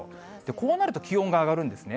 こうなると気温が上がるんですね。